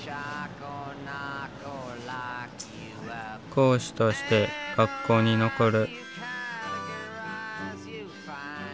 講師として学校に残る。